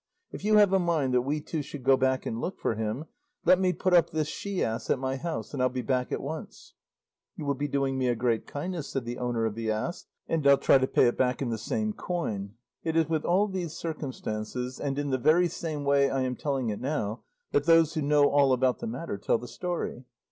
If you have a mind that we two should go back and look for him, let me put up this she ass at my house and I'll be back at once.' 'You will be doing me a great kindness,' said the owner of the ass, 'and I'll try to pay it back in the same coin.' It is with all these circumstances, and in the very same way I am telling it now, that those who know all about the matter tell the story.